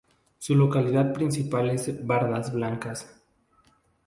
Su localidad principal es Bardas Blancas.